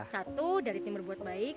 satu dari tim berbuat baik